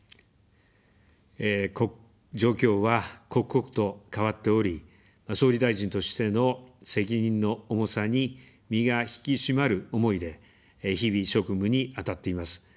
状況は刻々と変わっており、総理大臣としての責任の重さに、身が引き締まる思いで、日々、職務に当たっています。